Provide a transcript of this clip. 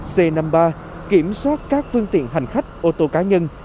c năm mươi ba kiểm soát các phương tiện hành khách ô tô cá nhân